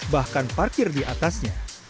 bahkan parkir di atasnya